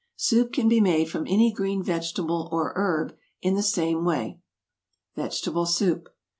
Soup can be made from any green vegetable or herb in the same way. =Vegetable Soup.